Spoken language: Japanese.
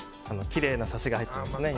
きれいなサシが入ってますね。